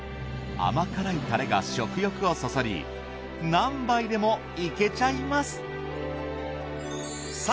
甘辛いタレが食欲をそそり何杯でもいけちゃいます。